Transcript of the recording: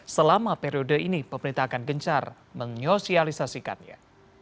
selama periode ini pemerintah akan gencar menyosialisasikannya